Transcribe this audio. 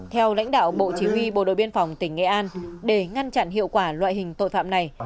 theo lãnh đạo bộ chỉ huy bộ đội biên phòng tỉnh nghệ an để ngăn chặn hiệu quả loại hình tội phạm này